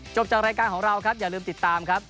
จบจากรายการของเราครับอย่าลืมติดตามครับ